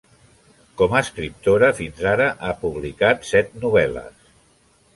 Com a escriptora, fins ara ha publicat set novel·les.